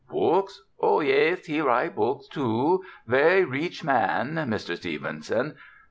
Books? Oh, yais, he write books, too — ver' reech man, Mr. Stevenson.